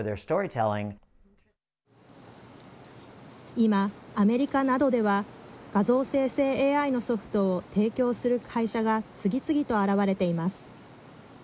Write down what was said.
今、アメリカなどでは画像生成ＡＩのソフトを提供する会社が次々と現れています。